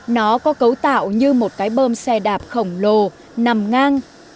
nó có cấu tạo như một cái bơm xe đạp khổng lồ nằm ngang